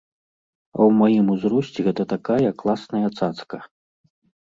А ў маім узросце гэта такая класная цацка.